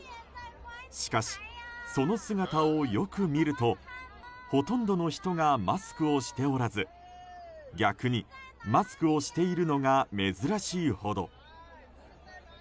しかし、その姿をよく見るとほとんどの人がマスクをしておらず逆にマスクをしているのが珍しいほど。